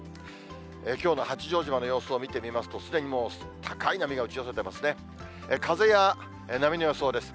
きょうの八丈島の様子を見てみますと、すでにもう高い波が打ち寄せてますね。